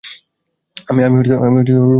আমি রুমে গিয়ে ফোন চার্জে দিচ্ছি।